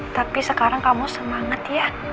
tapi sekarang kamu semangat ya